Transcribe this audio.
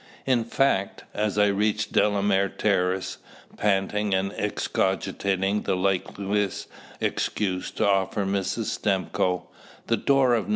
In fact, as I reached Delamere Terrace, panting and excogitating the likeliest excuse to offer Mrs. Stimcoe, the door of No.